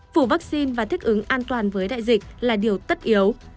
phủ vaccine và thích ứng an toàn với đại dịch là điều tất yếu